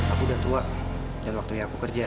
aku udah tua dan waktunya aku kerja